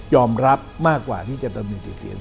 ยอมรับมากกว่าที่จะต้องมีติดเตียง